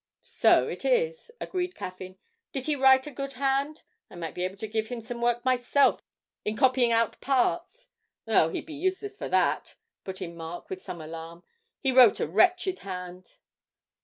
'So it is,' agreed Caffyn. 'Did he write a good hand? I might be able to give him some work myself in copying out parts.' 'Oh, he'd be useless for that!' put in Mark with some alarm; 'he wrote a wretched hand.'